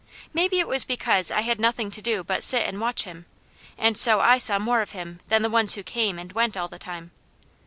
Maybe it was because I had nothing to do but sit and watch him, and so I saw more of him than the ones who came and went all the time.